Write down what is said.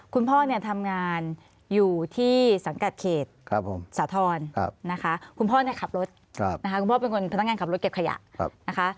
คุณพ่อเนี่ยทำงานอยู่ที่สังกัดเขตสาธรณ์นะคะคุณพ่อเนี่ยขับรถนะคะคุณพ่อเป็นคนพนักงานขับรถเก็บขยะนะคะ